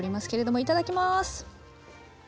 いただきます！